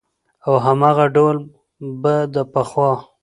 او هماغه ډول به د پخوا